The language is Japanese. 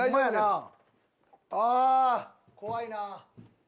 あ怖いなぁ。